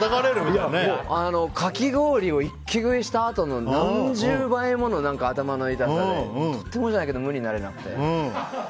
かき氷を一気食いしたあとの何十倍もの頭の痛さでとてもじゃないけど無になれなくて。